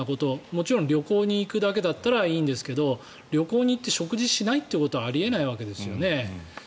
もちろん旅行に行くだけだったらいいんですけど旅行に行って食事しないということはあり得ないわけですよね。